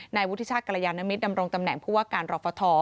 นายวุฒิชาติกรยานมิตรดำรงตำแหน่งผู้ว่าการรอฟท